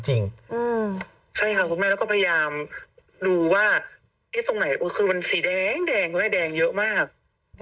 ใช่ค่ะคุณแม่แล้วก็พยายามดูว่าตรงไหนคือมันสีแดงคุณแม่แดงเยอะมาก